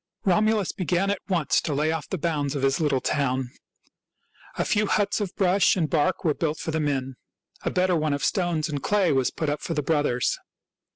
Romulus began at once to lay off the bounds of his little town. A few huts of brush and bark were built for the men. A better one of stones and clay was put up for the brothers.